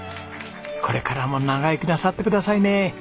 これからも長生きなさってくださいね。